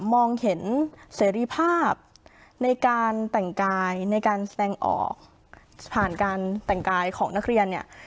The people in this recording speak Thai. มองเห็นเสรีภาพในการแต่งกายในการแสดงออกผ่านการแต่งกายของนักเรียนเนี่ย